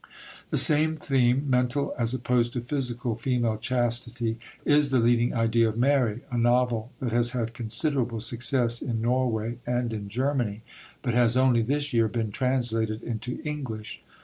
The same theme mental as opposed to physical female chastity is the leading idea of Mary, a novel that has had considerable success in Norway and in Germany, but has only this year been translated into English.